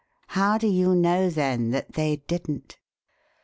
How do you know, then, that they didn't?"